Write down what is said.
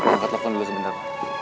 aku angkat telepon dulu sebentar